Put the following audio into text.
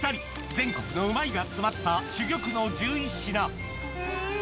全国のうまいが詰まった珠玉の１１品うん！